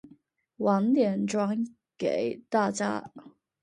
晚点传给大家